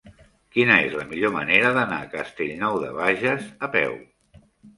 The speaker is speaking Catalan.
Quina és la millor manera d'anar a Castellnou de Bages a peu?